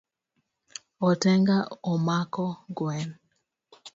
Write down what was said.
Otenga omako gwen